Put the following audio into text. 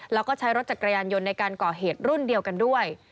แล้วก็ใช้รถจักรยานยนต์ในการก่อเหตุรุ่นเดียวกันด้วย